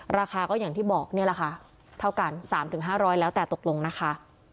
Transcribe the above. ราคาก็อย่างที่บอกเนี่ยแหละค่ะเท่ากันสามถึงห้าร้อยแล้วแต่ตกลงนะคะ